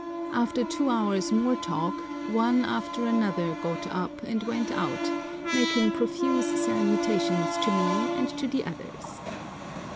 After two hours more talk one after another got up and went out, making profuse salutations to me and to the others.